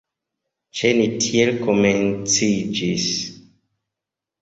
Ĉe ni tiel komenciĝis.